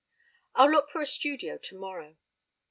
"I'll look for a studio tomorrow.